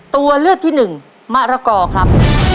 ตัวเลือกที่หนึ่งมะระกอครับ